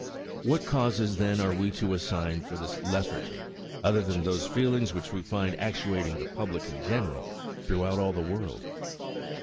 What causes then are we to assign for this lethargy, other than those feelings which we find actuating the public in general throughout all the world